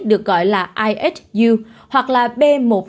được gọi là ihu hoặc là b một sáu nghìn bốn trăm linh hai